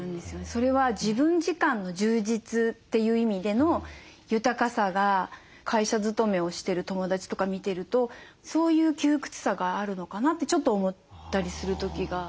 それは自分時間の充実という意味での豊かさが会社勤めをしてる友達とか見てるとそういう窮屈さがあるのかなってちょっと思ったりする時が。